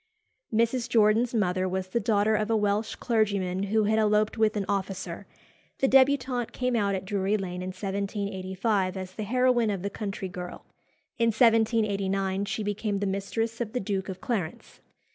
Mrs. Jordan's mother was the daughter of a Welsh clergyman who had eloped with an officer. The débutante came out at Drury Lane in 1785 as the heroine of "The Country Girl." In 1789 she became the mistress of the Duke of Clarence.